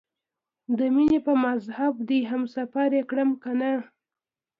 د مینې په مذهب دې هم سفر یې کړم کنه؟